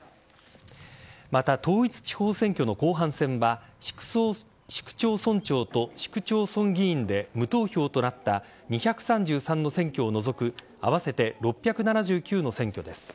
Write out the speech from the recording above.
また、統一地方選挙の後半戦は市区町村長と市区町村議員で無投票となった２３３の選挙を除く合わせて６７９の選挙です。